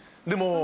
でも。